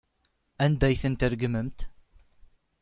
Anda ay tent-tregmemt?